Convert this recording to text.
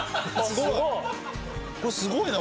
すごいな！